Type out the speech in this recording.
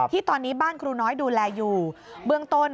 ที่ตอนนี้บ้านครูน้อยดูแลอยู่เบื้องต้น